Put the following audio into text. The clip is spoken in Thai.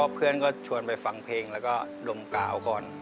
เพื่อนก็ชวนไปฟังเพลงแล้วก็ดมกล่าวก่อน